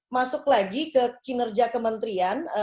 masuk lagi ke kinerja kementerian